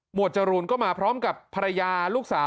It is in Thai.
จรูนก็มาพร้อมกับภรรยาลูกสาว